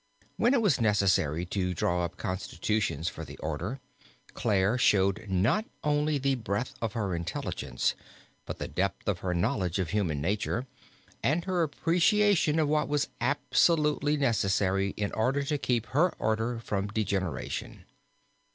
When it was necessary to draw up constitutions for the order, Clare showed not only the breadth of her intelligence, but the depth of her knowledge of human nature, and her appreciation of what was absolutely necessary in order to keep her order from degeneration.